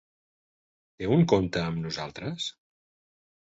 Té un compte amb nosaltres?